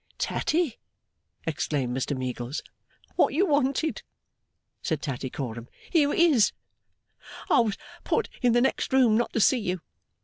'Tatty!' exclaimed Mr Meagles. 'What you wanted!' said Tattycoram. 'Here it is! I was put in the next room not to see you.